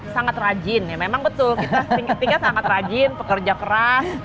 sangat rajin ya memang betul kita tingkat sangat rajin pekerja keras